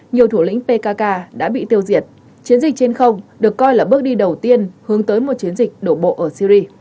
nhiều thủ lĩnh pkk đã bị tiêu diệt chiến dịch trên không được coi là bước đi đầu tiên hướng tới một chiến dịch đổ bộ ở syri